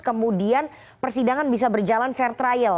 kemudian persidangan bisa berjalan fair trial